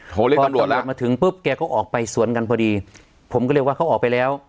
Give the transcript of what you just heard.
ตำรวจมาถึงปุ๊บแกก็ออกไปสวนกันพอดีผมก็เลยว่าเขาออกไปแล้ว